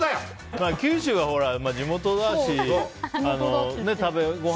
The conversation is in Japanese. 九州が地元だし。